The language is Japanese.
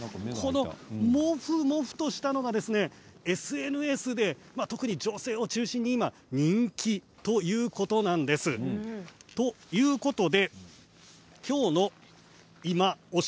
モフモフとしているのがＳＮＳで特に女性を中心に人気ということなんです。ということで今日のいまオシ！